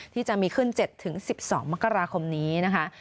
ที่จะมีขึ้น๗๑๒มกราคมนี้นะคะ